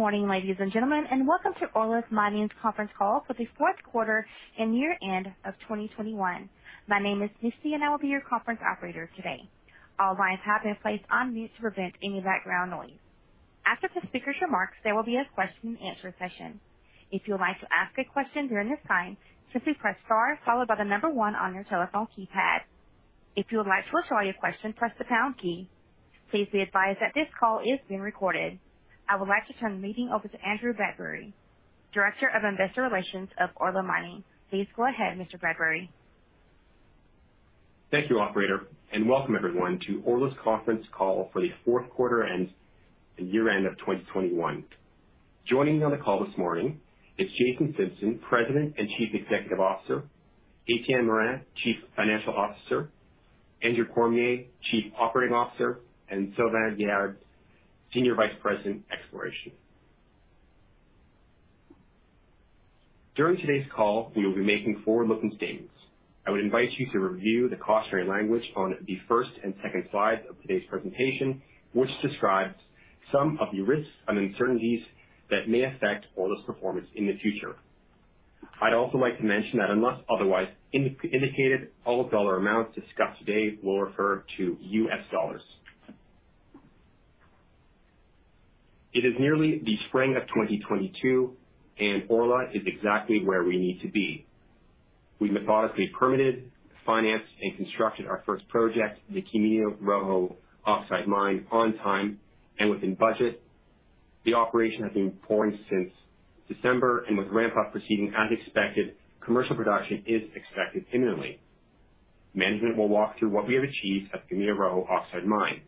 Good morning, ladies and gentlemen, and welcome to Orla Mining's conference call for the fourth quarter and year-end of 2021. My name is Misty, and I will be your conference operator today. All lines have been placed on mute to prevent any background noise. After the speaker's remarks, there will be a question and answer session. If you would like to ask a question during this time, simply press star followed by the number one on your telephone keypad. If you would like to withdraw your question, press the pound key. Please be advised that this call is being recorded. I would like to turn the meeting over to Andrew Bradbury, Director of Investor Relations of Orla Mining. Please go ahead, Mr. Bradbury. Thank you, operator, and welcome everyone to Orla's conference call for the fourth quarter and year-end of 2021. Joining me on the call this morning is Jason Simpson, President and Chief Executive Officer, Etienne Morin, Chief Financial Officer, Andrew Cormier, Chief Operating Officer, and Sylvain Guerard, Senior Vice President, Exploration. During today's call, we will be making forward-looking statements. I would invite you to review the cautionary language on the first and second slides of today's presentation, which describes some of the risks and uncertainties that may affect Orla's performance in the future. I'd also like to mention that unless otherwise indicated, all dollar amounts discussed today will refer to US dollars. It is nearly the spring of 2022, and Orla is exactly where we need to be. We methodically permitted, financed, and constructed our first project, the Camino Rojo Oxide Mine, on time and within budget. The operation has been pouring since December, and with ramp-up proceeding as expected, commercial production is expected imminently. Management will walk through what we have achieved at Camino Rojo Oxide Mine.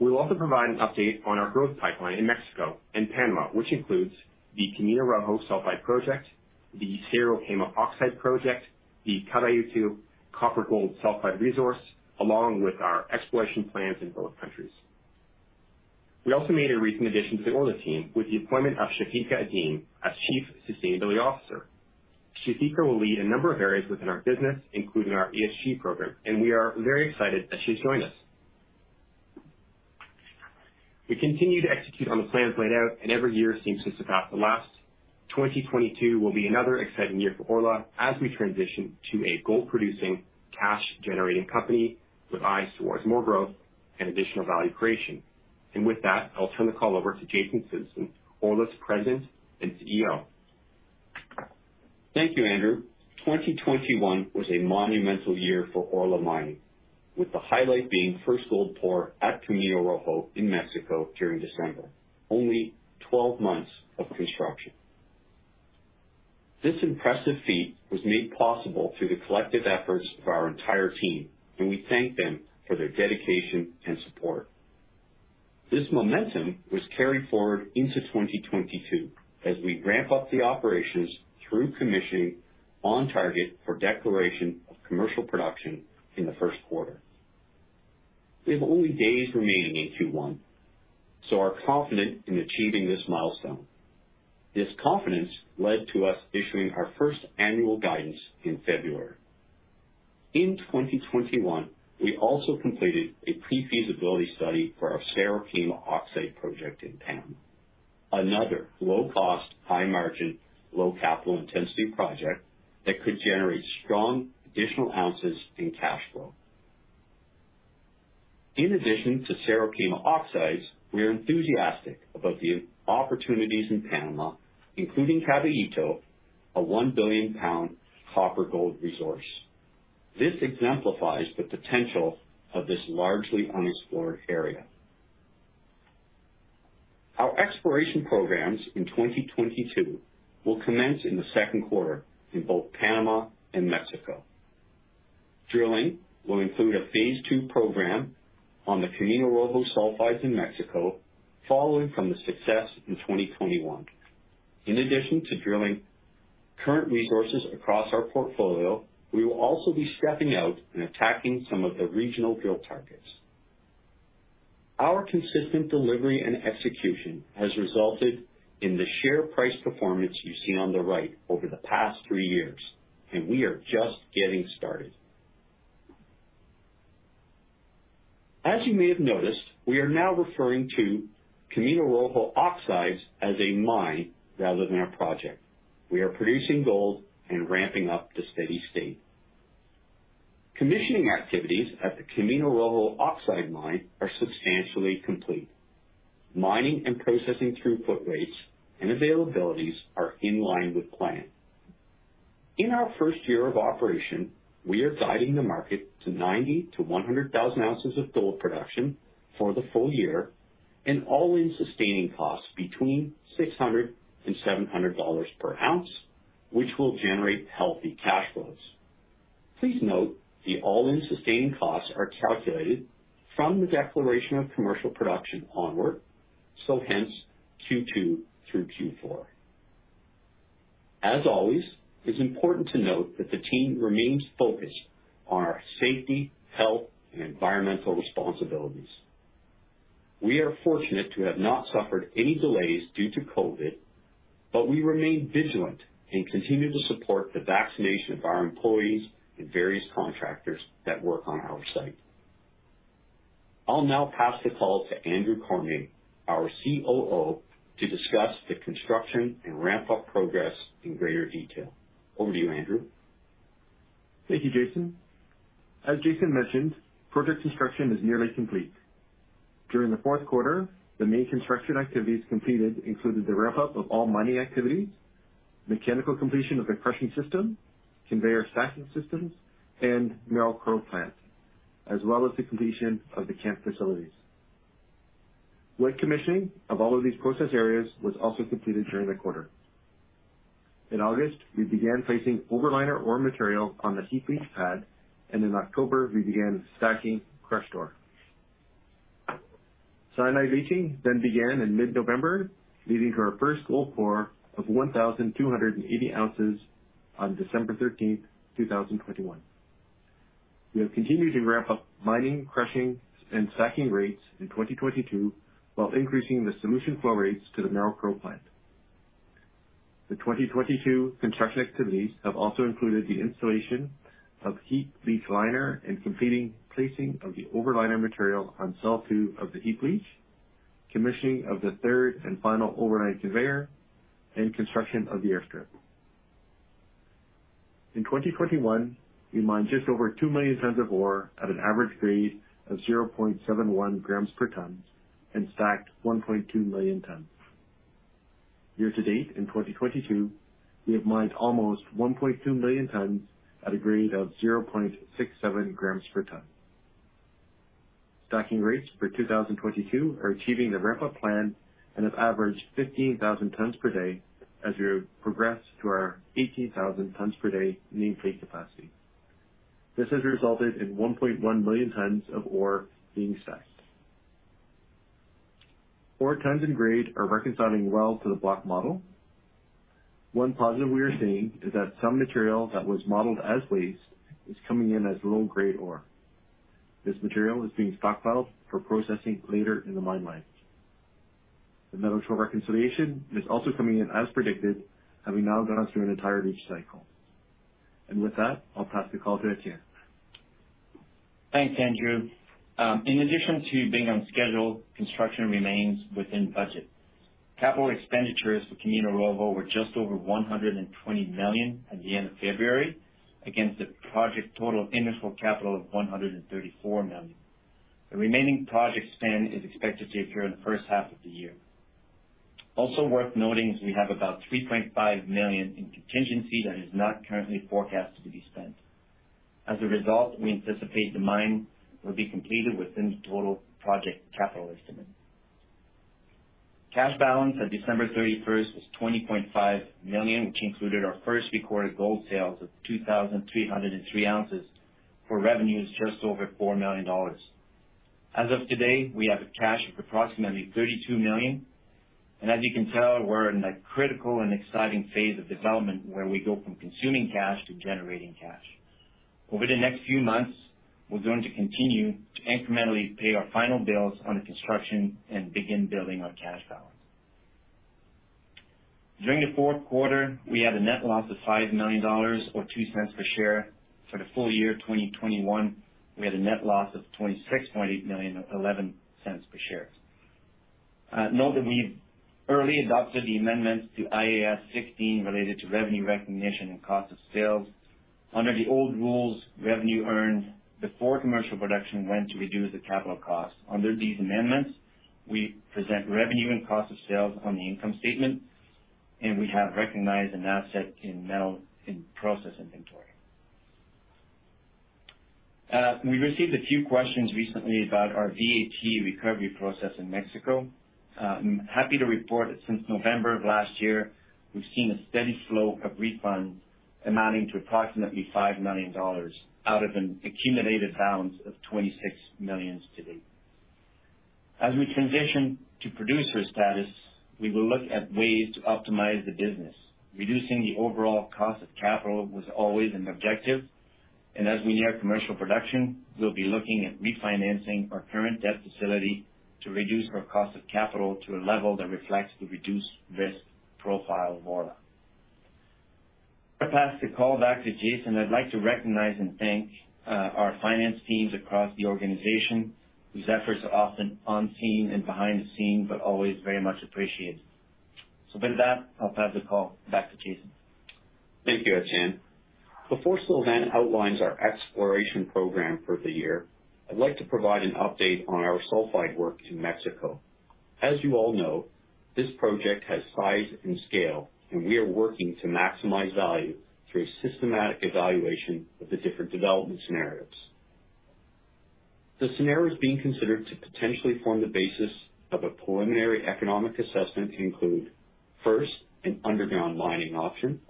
We will also provide an update on our growth pipeline in Mexico and Panama, which includes the Camino Rojo Sulfide Project, the Cerro Quema Oxide Project, the Caballito copper-gold sulfide resource, along with our exploration plans in both countries. We also made a recent addition to the Orla team with the appointment of Chafika Eddine as Chief Sustainability Officer. Chafika will lead a number of areas within our business, including our ESG program, and we are very excited that she's joined us. We continue to execute on the plans laid out, and every year seems to top the last. 2022 will be another exciting year for Orla as we transition to a gold-producing, cash-generating company with eyes towards more growth and additional value creation. With that, I'll turn the call over to Jason Simpson, Orla's President and CEO. Thank you, Andrew. 2021 was a monumental year for Orla Mining, with the highlight being first gold pour at Camino Rojo in Mexico during December, only 12 months of construction. This impressive feat was made possible through the collective efforts of our entire team, and we thank them for their dedication and support. This momentum was carried forward into 2022 as we ramp up the operations through commissioning on target for declaration of commercial production in the first quarter. We have only days remaining in Q1, so are confident in achieving this milestone. This confidence led to us issuing our first annual guidance in February. In 2021, we also completed a pre-feasibility study for our Cerro Quema Oxide project in Panama, another low-cost, high-margin, low capital intensity project that could generate strong additional ounces and cash flow. In addition to Cerro Quema Oxides, we are enthusiastic about the opportunities in Panama, including Caballito, a 1 billion-pound copper-gold resource. This exemplifies the potential of this largely unexplored area. Our exploration programs in 2022 will commence in the second quarter in both Panama and Mexico. Drilling will include a phase 2 program on the Camino Rojo Sulfides in Mexico, following from the success in 2021. In addition to drilling current resources across our portfolio, we will also be stepping out and attacking some of the regional drill targets. Our consistent delivery and execution has resulted in the share price performance you see on the right over the past three years, and we are just getting started. As you may have noticed, we are now referring to Camino Rojo Oxides as a mine rather than a project. We are producing gold and ramping up to steady state. Commissioning activities at the Camino Rojo Oxide Mine are substantially complete. Mining and processing throughput rates and availabilities are in line with plan. In our first year of operation, we are guiding the market to 90,000-100,000 ounces of gold production for the full year and all-in sustaining costs between $600-$700 per ounce, which will generate healthy cash flows. Please note the all-in sustaining costs are calculated from the declaration of commercial production onward, so hence Q2 through Q4. As always, it's important to note that the team remains focused on our safety, health, and environmental responsibilities. We are fortunate to have not suffered any delays due to COVID, but we remain vigilant and continue to support the vaccination of our employees and various contractors that work on our site.... I'll now pass the call to Andrew Cormier, our COO, to discuss the construction and ramp-up progress in greater detail. Over to you, Andrew. Thank you, Jason. As Jason mentioned, project construction is nearly complete. During the fourth quarter, the main construction activities completed included the ramp-up of all mining activities, mechanical completion of the crushing system, conveyor stacking systems, and Merrill-Crowe plant, as well as the completion of the camp facilities. Wet commissioning of all of these process areas was also completed during the quarter. In August, we began placing overliner ore material on the heap leach pad, and in October, we began stacking crushed ore. Cyanide leaching then began in mid-November, leading to our first gold pour of 1,280 ounces on December thirteenth, 2021. We have continued to ramp up mining, crushing, and stacking rates in 2022, while increasing the solution flow rates to the Merrill-Crowe plant. The 2022 construction activities have also included the installation of heap leach liner and completing placing of the overliner material on Cell 2 of the heap leach, commissioning of the third and final overland conveyor, and construction of the airstrip. In 2021, we mined just over 2 million tons of ore at an average grade of 0.71 grams per ton and stacked 1.2 million tons. Year to date, in 2022, we have mined almost 1.2 million tons at a grade of 0.67 grams per ton. Stacking rates for 2022 are achieving the ramp-up plan and have averaged 15,000 tons per day as we progress to our 18,000 tons per day nameplate capacity. This has resulted in 1.1 million tons of ore being stacked. Ore tons and grade are reconciling well to the block model. One positive we are seeing is that some material that was modeled as waste is coming in as low-grade ore. This material is being stockpiled for processing later in the mine life. The metallurgical reconciliation is also coming in as predicted, having now gone through an entire leach cycle. With that, I'll pass the call to Etienne. Thanks, Andrew. In addition to being on schedule, construction remains within budget. Capital expenditures for Camino Rojo were just over $120 million at the end of February, against a project total initial capital of $134 million. The remaining project spend is expected to occur in the first half of the year. Also worth noting is we have about $3.5 million in contingency that is not currently forecasted to be spent. As a result, we anticipate the mine will be completed within the total project capital estimate. Cash balance at December 31 is $20.5 million, which included our first recorded gold sales of 2,303 ounces for revenues just over $4 million. As of today, we have a cash of approximately $32 million, and as you can tell, we're in a critical and exciting phase of development where we go from consuming cash to generating cash. Over the next few months, we're going to continue to incrementally pay our final bills under construction and begin building our cash balance. During the fourth quarter, we had a net loss of $5 million or $0.02 per share. For the full year, 2021, we had a net loss of $26.8 million, or $0.11 per share. Note that we've early adopted the amendments to IAS 16 related to revenue recognition and cost of sales. Under the old rules, revenue earned before commercial production went to reduce the capital costs. Under these amendments, we present revenue and cost of sales on the income statement, and we have recognized an asset in metal-in-process inventory. We received a few questions recently about our VAT recovery process in Mexico. Happy to report that since November of last year, we've seen a steady flow of refunds amounting to approximately $5 million out of an accumulated balance of $26 million to date. As we transition to producer status, we will look at ways to optimize the business. Reducing the overall cost of capital was always an objective, and as we near commercial production, we'll be looking at refinancing our current debt facility to reduce our cost of capital to a level that reflects the reduced risk profile of Orla. I pass the call back to Jason. I'd like to recognize and thank our finance teams across the organization, whose efforts are often on scene and behind the scenes, but always very much appreciated. With that, I'll pass the call back to Jason. Thank you, Etienne. Before Sylvain outlines our exploration program for the year, I'd like to provide an update on our sulfide work in Mexico. As you all know, this project has size and scale, and we are working to maximize value through a systematic evaluation of the different development scenarios. The scenarios being considered to potentially form the basis of a preliminary economic assessment include, first, an underground mining option,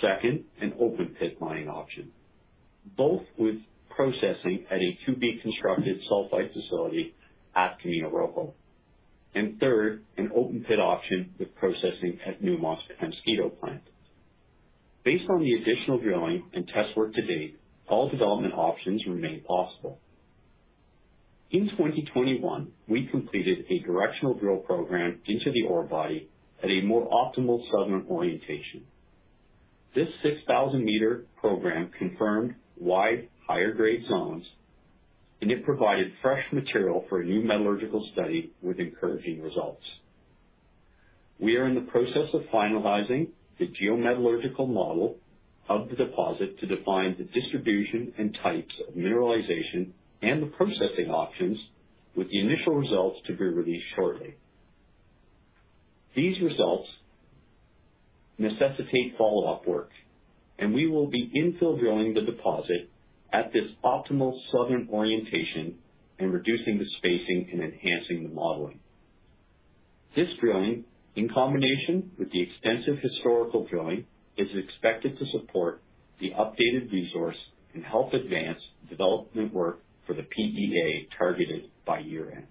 second, an open pit mining option, both with processing at a to-be-constructed sulfide facility at Camino Rojo, and third, an open pit option with processing at Newmont's Peñasquito Plant. Based on the additional drilling and test work to date, all development options remain possible. In 2021, we completed a directional drill program into the ore body at a more optimal southern orientation. This 6,000-meter program confirmed wide higher grade zones, and it provided fresh material for a new metallurgical study with encouraging results. We are in the process of finalizing the geometallurgical model of the deposit to define the distribution and types of mineralization and the processing options, with the initial results to be released shortly. These results necessitate follow-up work, and we will be infill drilling the deposit at this optimal southern orientation and reducing the spacing and enhancing the modeling. This drilling, in combination with the extensive historical drilling, is expected to support the updated resource and help advance development work for the PEA targeted by year-end.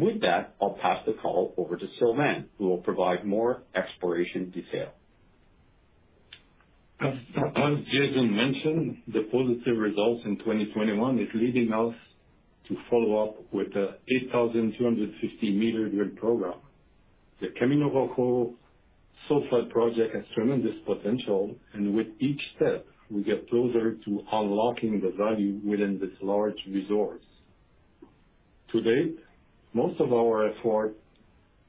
With that, I'll pass the call over to Sylvain, who will provide more exploration detail. As Jason mentioned, the positive results in 2021 is leading us to follow up with the 8,250-meter drill program. The Camino Rojo Sulfide Project has tremendous potential, and with each step, we get closer to unlocking the value within this large resource. To date, most of our effort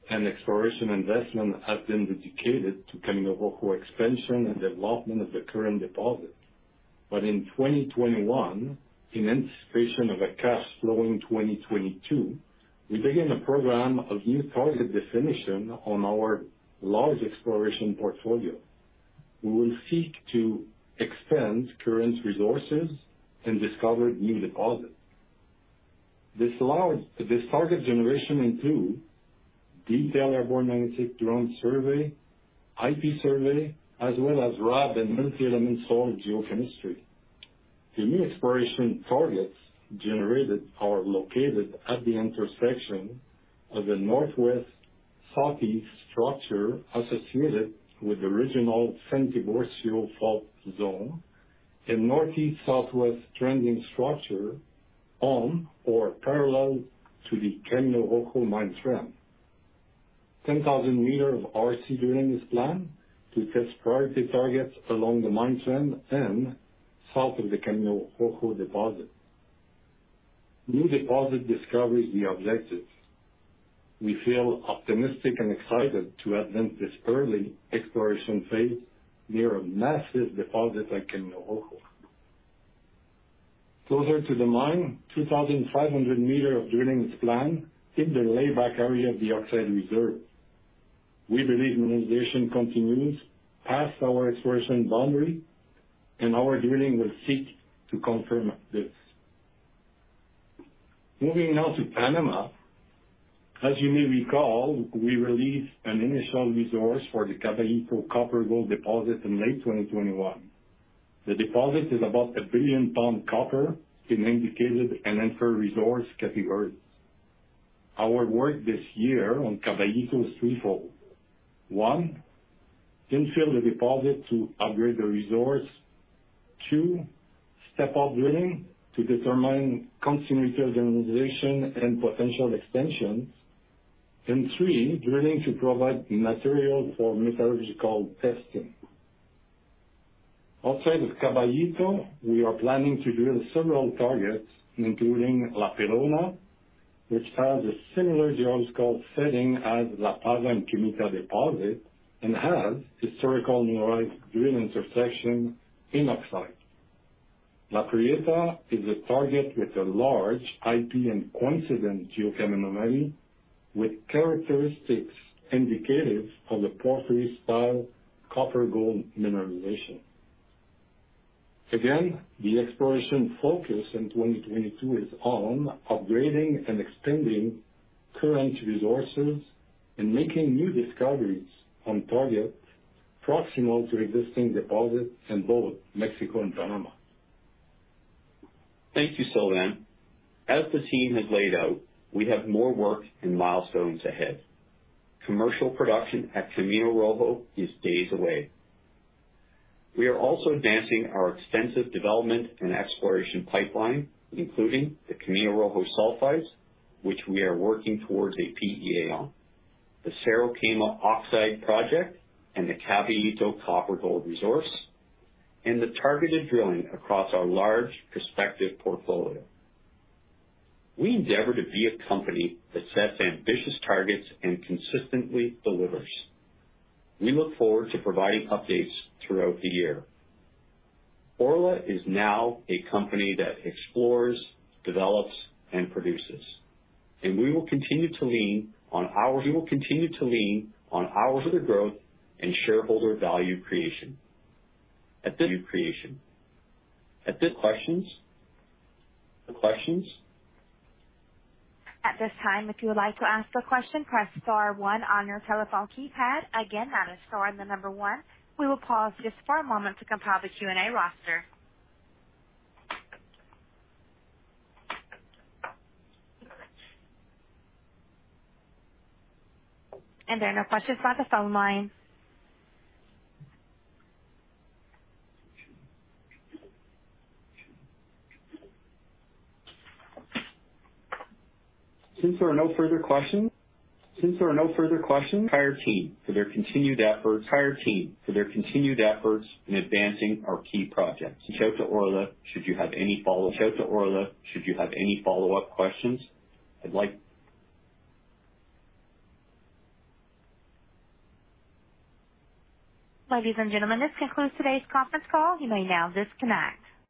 and exploration investment has been dedicated to Camino Rojo expansion and development of the current deposit. But in 2021, in anticipation of a cash flowing 2022, we began a program of new target definition on our large exploration portfolio. We will seek to expand current resources and discover new deposits. This target generation include detailed airborne magnetic drone survey, IP survey, as well as RAB and multi-element soil geochemistry. The new exploration targets generated are located at the intersection of the northwest-southeast structure associated with the original San Tiburcio fault zone and northeast-southwest trending structure on or parallel to the Camino Rojo mine trend. 10,000 meters of RC drilling is planned to test priority targets along the mine trend and south of the Camino Rojo deposit. New deposit discovery is the objective. We feel optimistic and excited to advance this early exploration phase near a massive deposit like Camino Rojo. Closer to the mine, 2,500 meters of drilling is planned in the layback area of the oxide reserve. We believe mineralization continues past our exploration boundary, and our drilling will seek to confirm this. Moving now to Panama. As you may recall, we released an initial resource for the Caballito copper-gold deposit in late 2021. The deposit is about a billion pounds of copper in indicated and inferred resource categories. Our work this year on Caballito is threefold. One, infill the deposit to upgrade the resource. Two, step out drilling to determine continuity of mineralization and potential extensions. And three, drilling to provide the material for metallurgical testing. Outside of Caballito, we are planning to drill several targets, including La Pelona, which has a similar geological setting as La Pava and Quemita deposit and has historical mineralized drilling intersection in oxide. La Prieta is a target with a large IP and coincident geochemical anomaly, with characteristics indicative of the porphyry-style copper-gold mineralization. Again, the exploration focus in 2022 is on upgrading and expanding current resources and making new discoveries on targets proximal to existing deposits in both Mexico and Panama. Thank you, Sylvain. As the team has laid out, we have more work and milestones ahead. Commercial production at Camino Rojo is days away. We are also advancing our extensive development and exploration pipeline, including the Camino Rojo sulfides, which we are working towards a PEA on, the Cerro Quema Oxide Project and the Caballito copper-gold resource, and the targeted drilling across our large prospective portfolio. We endeavor to be a company that sets ambitious targets and consistently delivers. We look forward to providing updates throughout the year. Orla is now a company that explores, develops, and produces, and we will continue to lean on our further growth and shareholder value creation. At this time. Questions? The questions? At this time, if you would like to ask a question, press star one on your telephone keypad. Again, that is star and the number one. We will pause just for a moment to compile the Q&A roster. There are no questions on the phone line. Since there are no further questions,I would like thank the entire team for their continued efforts in advancing our key projects. Reach out to Orla should you have any follow-up questions, I'd like- Ladies and gentlemen, this concludes today's conference call. You may now disconnect.